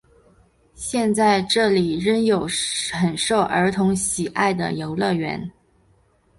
现在这里仍有很受儿童喜爱的游乐园。